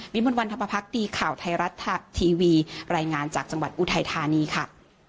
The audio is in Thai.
มนต์วันธรรมพักดีข่าวไทยรัฐทีวีรายงานจากจังหวัดอุทัยธานีค่ะ